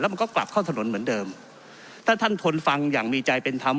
มันก็กลับเข้าถนนเหมือนเดิมถ้าท่านทนฟังอย่างมีใจเป็นธรรม